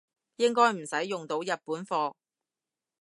應該唔使用到日本貨